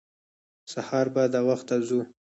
سهار به د وخته ځو.